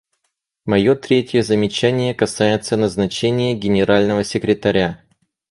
Мое третье замечание касается назначения Генерального секретаря.